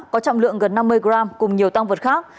có trọng lượng gần năm mươi gram cùng nhiều tăng vật khác